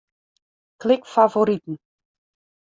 Klik Favoriten.